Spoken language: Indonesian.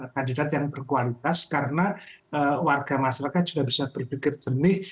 kandidat yang berkualitas karena warga masyarakat juga bisa berpikir jernih